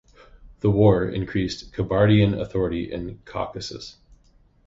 The war increased Kabardian authority in the Caucasus.